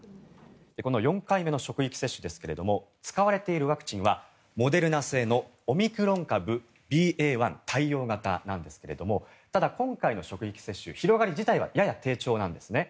この４回目の職域接種ですが使われているワクチンはモデルナ製のオミクロン株ＢＡ．１対応型なんですがただ、今回の職域接種広がり自体はやや低調なんですね。